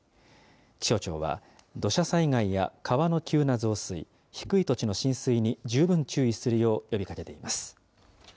気象庁は土砂災害や川の急な増水、低い土地の浸水に十分注意するよう呼びかけています。